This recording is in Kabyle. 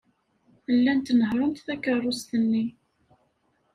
Llant nehhṛent takeṛṛust-nni.